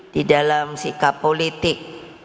di dalam sikap politik